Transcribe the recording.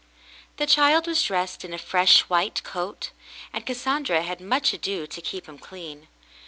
The child was dressed in a fresh white coat, and Cas sandra had much ado to keep him clean.